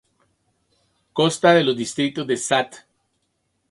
Consta de los distritos de St.